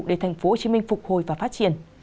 để tp hcm phục hồi và phát triển